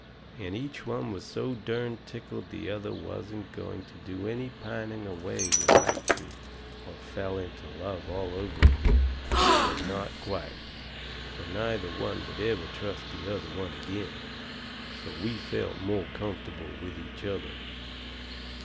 And each one was so derned tickled the other one wasn't going to do any pining away we like to of fell into love all over agin. But not quite. Fur neither one would ever trust the other one agin. So we felt more comfortable with each other.